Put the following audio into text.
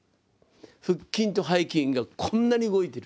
腹筋と背筋がこんなに動いてる。